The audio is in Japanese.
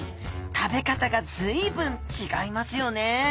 食べ方がずいぶん違いますよねえ。